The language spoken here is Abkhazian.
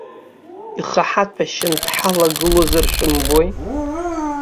Ихы ҳаҭәашьаны дҳалагылозар шәымбои!